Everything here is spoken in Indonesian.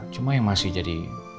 cuma yang masih jadi